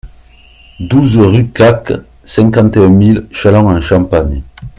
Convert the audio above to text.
douze rue Caque, cinquante et un mille Châlons-en-Champagne